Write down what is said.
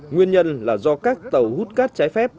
nguyên nhân là do các tàu hút cát trái phép